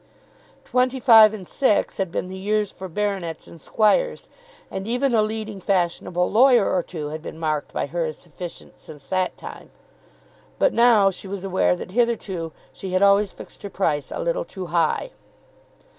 Twenty five and six had been the years for baronets and squires; and even a leading fashionable lawyer or two had been marked by her as sufficient since that time. But now she was aware that hitherto she had always fixed her price a little too high.